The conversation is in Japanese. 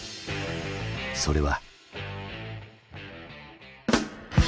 それは。